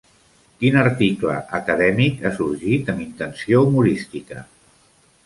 Quin article acadèmic ha sorgit amb intenció humorística?